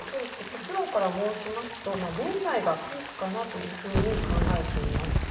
結論から申しますと、年内がピークかなというふうに考えています。